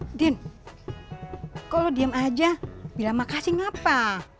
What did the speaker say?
udin kok lo diem aja bilang makasih ngapa